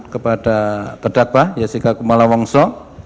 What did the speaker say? kepada terdakwa jessica kumala wongso